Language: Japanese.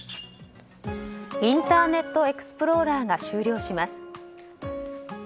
インターネットエクスプローラーが終了します。